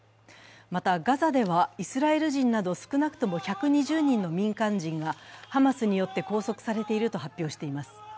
また、ガザではイスラエル人など少なくとも１２０人の民間人がハマスによって拘束されていると発表しています。